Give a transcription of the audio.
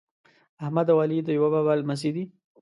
احمد او علي د یوه بابا لمسي دي.